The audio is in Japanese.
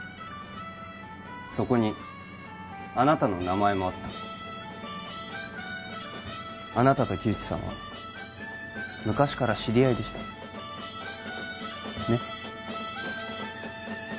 そこにあなたの名前もあったあなたと木内さんは昔から知り合いでしたねッ